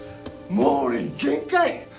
もう俺限界！